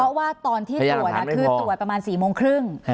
เพราะว่าตอนที่ตรวจคือตรวจประมาณ๔โมงครึ่ง